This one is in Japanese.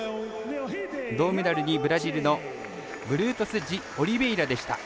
銅メダルにブラジルのブルートスジオリベイラでした。